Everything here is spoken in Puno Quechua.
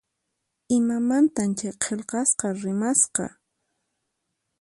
Imamantan chay qillqasqa rimasqa?